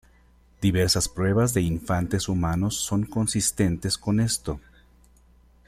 Diversas pruebas de infantes humanos son consistentes con esto.